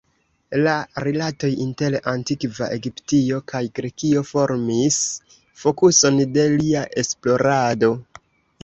La rilatoj inter antikva Egiptio kaj Grekio formis fokuson de lia esplorado.